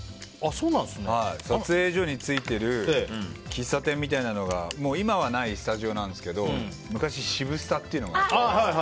撮影所についている喫茶店みたいなのが今はもうないスタジオなんですが昔、渋スタっていうのがあって。